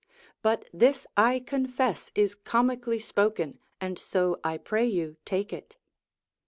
But this I confess is comically spoken, and so I pray you take it.